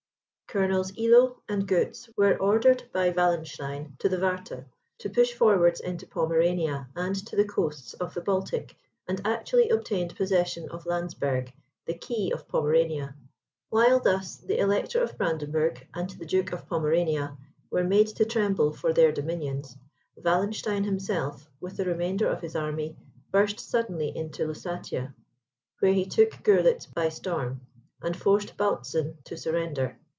Colonels Illo and Goetz were ordered by Wallenstein to the Warta, to push forwards into Pomerania, and to the coasts of the Baltic, and actually obtained possession of Landsberg, the key of Pomerania. While thus the Elector of Brandenburg and the Duke of Pomerania were made to tremble for their dominions, Wallenstein himself, with the remainder of his army, burst suddenly into Lusatia, where he took Goerlitz by storm, and forced Bautzen to surrender.